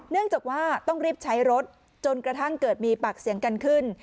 เนื่องจากว่าต้องรีบใช้รถจนกระทั่งเกิดมีปากเสียงกันขึ้น